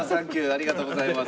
ありがとうございます。